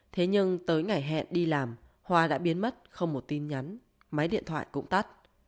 thế nhưng tới ngày hẹn đi làm hoa đã biến mất không một tin nhắn máy điện thoại cũng tắt